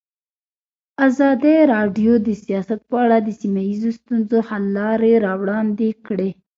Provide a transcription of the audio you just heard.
ازادي راډیو د سیاست په اړه د سیمه ییزو ستونزو حل لارې راوړاندې کړې.